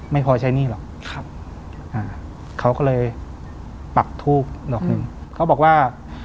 ไม่พอใช้หนี้หรอกครับอ่าเขาก็เลยปักทูบดอกหนึ่งเขาบอกว่า